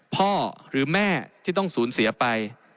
พ่อแม่ที่ต้องสูญเสียไป